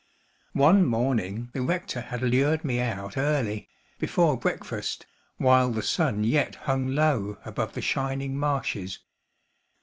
One morning the rector had lured me out early, before breakfast, while the sun yet hung low above the shining marshes.